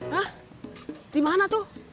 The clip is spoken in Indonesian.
hah dimana tuh